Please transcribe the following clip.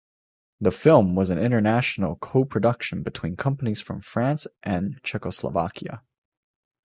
The film was an international co-production between companies from France and Czechoslovakia.